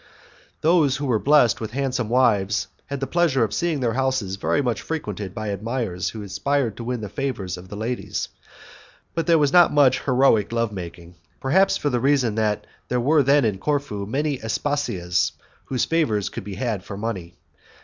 Those who were blessed with handsome wives had the pleasure of seeing their houses very much frequented by admirers who aspired to win the favours of the ladies, but there was not much heroic love making, perhaps for the reason that there were then in Corfu many Aspasias whose favours could be had for money.